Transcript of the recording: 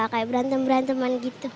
kayak berantem beranteman gitu